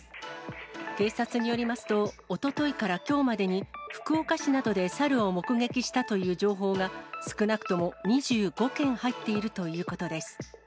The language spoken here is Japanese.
警察によりますと、おとといからきょうまでに、福岡市などでサルを目撃したという情報が、少なくとも２５件入っているということです。